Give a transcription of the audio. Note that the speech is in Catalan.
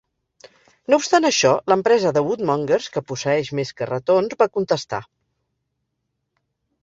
No obstant això, l"empresa de Woodmongers, que posseeix més carretons, va contestar.